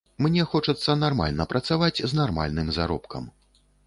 Мне хочацца нармальна працаваць з нармальны заробкам.